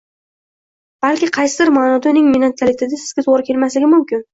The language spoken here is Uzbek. balki qaysidir maʼnoda uning mentaliteti Sizga toʻgʻri kelmasligi mumkin?